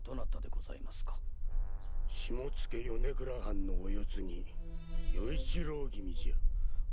下野・米倉藩のお世継ぎ・与一郎君じゃ。